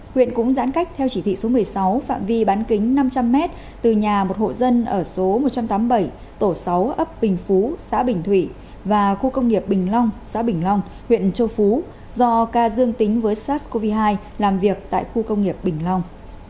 huyện cũng giãn cách theo chỉ thị số một mươi sáu phạm vi bán kính năm trăm linh m từ nhà một hộ dân ở số một trăm tám mươi bảy tổ sáu ấp bình phú xã bình thủy và khu công nghiệp bình long xã bình long huyện châu phú do ca dương tính với sars cov hai làm việc tại khu công nghiệp bình long